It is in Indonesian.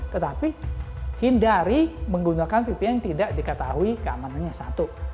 tetapi hindari menggunakan vpn yang tidak diketahui keamanannya satu